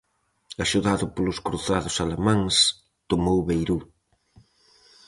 Axudado polos cruzados alemáns, tomou Beirut.